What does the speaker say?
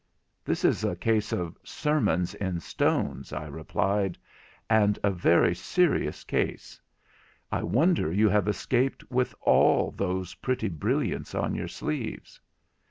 'This is a case of "sermons in stones",' I replied, 'and a very serious case. I wonder you have escaped with all those pretty brilliants on your sleeves.'